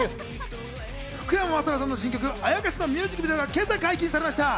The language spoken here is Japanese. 福山雅治さんの新曲『妖』のミュージックビデオが今朝解禁されました。